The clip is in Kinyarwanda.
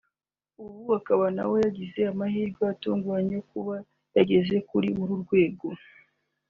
ubu akaba nawe yagize amahirwe atunguranye yo kuba yageze kuri urwo rwego